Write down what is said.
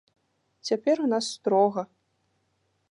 Цяпер у нас строга.